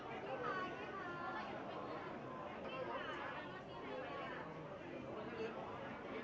อเรนนี่ปุ๊ปอเรนนี่ปุ๊ป